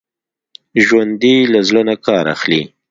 ژوندي له زړه نه کار اخلي